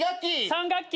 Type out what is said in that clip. ３学期。